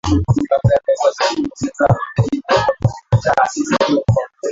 huruma ya Rais Magufuli ya Katika mazungumzo yangu na baadhi ya viongozi wa Chama